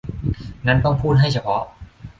งั้นต้องพูดให้เฉพาะ